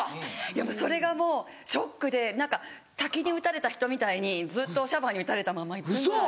それがもうショックで何か滝に打たれた人みたいにずっとシャワーに打たれたまま１分ぐらい。